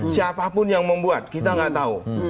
siapapun yang membuat kita nggak tahu